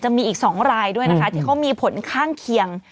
มีอีก๒รายด้วยนะคะที่เขามีผลข้างเคียง